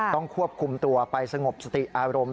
ต้องควบคุมตัวไปสงบสติอารมณ์